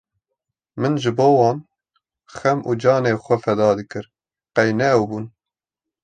min ji bo wan xew û canê xwe feda dikir qey ne ew bûn.